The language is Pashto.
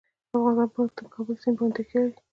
افغانستان په د کابل سیند باندې تکیه لري.